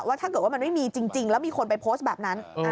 ถ้าเกิดว่ามันไม่มีจริงแล้วมีคนไปโพสต์แบบนั้น